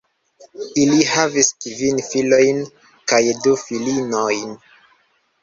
Ili havis kvin filojn kaj du filinojn.